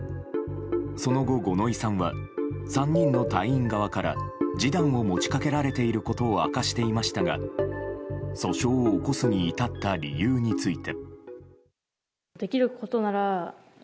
その後、五ノ井さんは３人の隊員側から示談を持ち掛けられていることを明かしていましたが訴訟を起こすに至った理由ついて。